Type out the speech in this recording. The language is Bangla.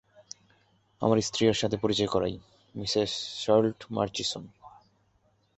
আমার স্ত্রীয়ের সাথে পরিচয় করাই, মিসেস শার্লট মার্চিসন।